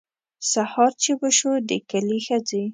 سهار چې به شو د کلي ښځې.